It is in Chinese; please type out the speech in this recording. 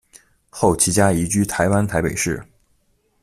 后其家移居台湾台北市。